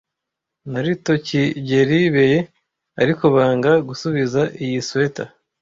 naritokigelibeye, ariko banga gusubiza iyi swater.